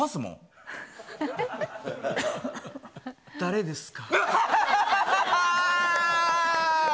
誰ですか？